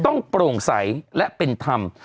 โปร่งใสและเป็นธรรม